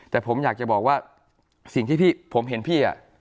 แต่ผมอยากจะบอกว่าสิ่งที่พี่ผมเห็นพี่